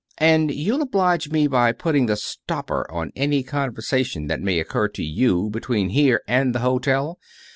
And you'll oblige me by putting the stopper on any conversation that may occur to you between here and the hotel.